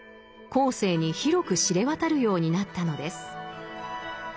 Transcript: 後世に広く知れ渡るようになったのです。